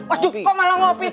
aduh kok malah ngopi